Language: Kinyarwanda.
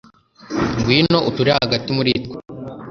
ngwino uture hagati muri twe